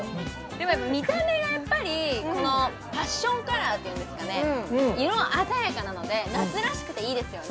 でも見た目がやっぱりこのパッションカラーというんですかね色鮮やかなので夏らしくていいですよね